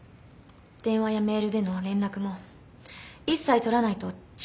電話やメールでの連絡も一切取らないと誓っていただきます。